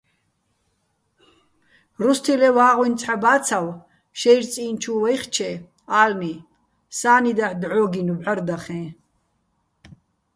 რუსთილეჼ ვა́ღუჲნი ცჰ̦ა ბა́ცავ შეჲრი̆ წი́ნი̆ ჩუ ვაჲხჩე, ა́ლნი, სა́ნი დაჰ̦ დჵო́გინო̆ ბჵარდახეჼ.